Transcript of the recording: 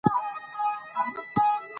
ځینې کلمې دوهڅپیزې دي.